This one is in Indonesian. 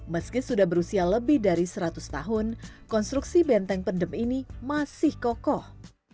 meski sudah berusia lebih dari seratus tahun konstruksi benteng pendem ini masih kokoh